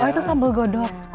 oh itu sambal godok